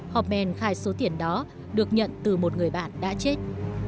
hauptmann khai số tiền đó được nhận từ một người bạn đã chết